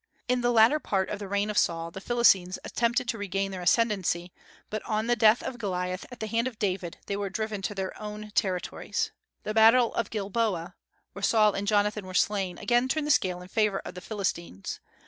In the latter part of the reign of Saul the Philistines attempted to regain their ascendency, but on the death of Goliath at the hand of David they were driven to their own territories. The battle of Gilboa, where Saul and Jonathan were slain, again turned the scale in favor of the Philistines.